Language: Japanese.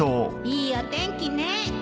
いいお天気ね